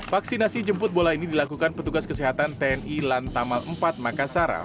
vaksinasi jemput bola ini dilakukan petugas kesehatan tni lantamal empat makassar